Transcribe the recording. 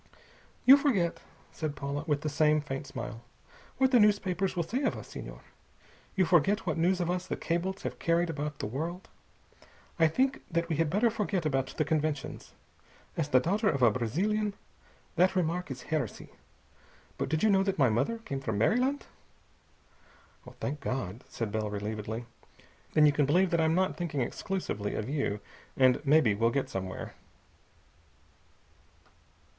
"You forget," said Paula, with the same faint smile, "what the newspapers will say of us, Senhor. You forget what news of us the cables have carried about the world. I think that we had better forget about the conventions. As the daughter of a Brazilian, that remark is heresy. But did you know that my mother came from Maryland?" "Thank God!" said Bell relievedly. "Then you can believe that I'm not thinking exclusively of you, and maybe we'll get somewhere."